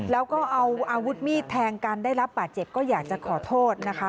แล้วก็เอาอาวุธมีดแทงกันได้รับบาดเจ็บก็อยากจะขอโทษนะคะ